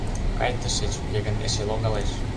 — Кай тышеч, уке гын эше логалеш...